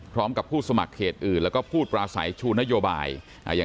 พร้อมกับผู้สมัครเขตอื่นแล้วก็พูดปราศัยชูนโยบายอย่าง